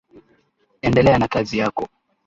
Endelea na kazi yako